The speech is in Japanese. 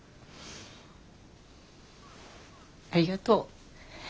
ありがとう。